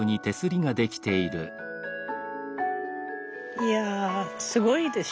いやすごいでしょ。